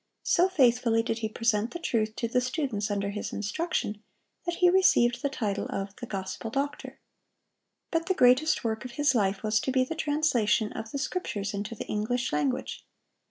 So faithfully did he present the truth to the students under his instruction, that he received the title of "The Gospel Doctor." But the greatest work of his life was to be the translation of the Scriptures into the English language.